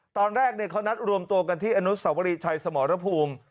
ตอนแรกเขานัดรวมตัวกันที่อนุสวรีชัยสมรภูมิ